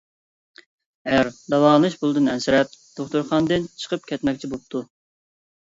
ئەر داۋالىنىش پۇلىدىن ئەنسىرەپ دوختۇرخانىدىن چىقىپ كەتمەكچى بوپتۇ.